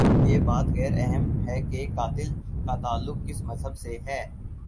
یہ بات غیر اہم ہے کہ قاتل کا تعلق کس مذہب سے ہے۔